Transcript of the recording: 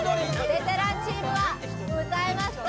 ベテランチームは歌えますか？